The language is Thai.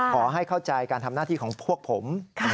ขอให้เข้าใจการทำหน้าที่ของพวกผม